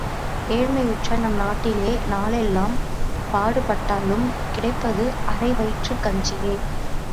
ஏழ்மையுற்ற நம் நாட்டிலே நாளெல்லாம் பாடுபட்டாலும் கிடைப்பது அரை வயிற்றுக் கஞ்சியே.